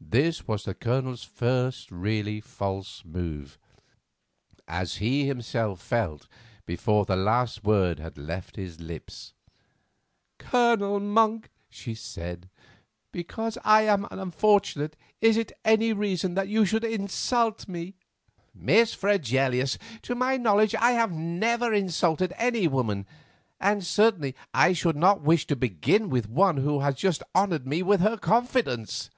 This was the Colonel's first really false move, as he himself felt before the last word had left his lips. "Colonel Monk," she said, "because I am unfortunate is it any reason that you should insult me?" "Miss Fregelius, to my knowledge I have never insulted any woman; and certainly I should not wish to begin with one who has just honoured me with her confidence."